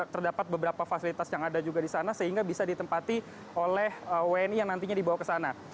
terdapat beberapa fasilitas yang ada juga di sana sehingga bisa ditempati oleh wni yang nantinya dibawa ke sana